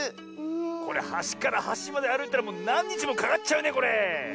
これはしからはしまであるいたらもうなんにちもかかっちゃうねこれ！